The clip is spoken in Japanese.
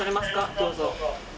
どうぞ。